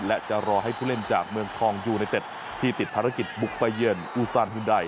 และจะรอให้ผู้เล่นจากเมืองทองยูไนเต็ดที่ติดภารกิจบุกไปเยือนอูซานฮุนได